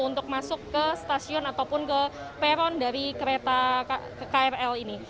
untuk di stasiun bogor ini bisa masuk ke stasiun ataupun ke peron dari kereta krl ini